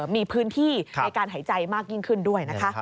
มีพื้นที่ในการหายใจมากยิ่งขึ้นด้วยนะคะ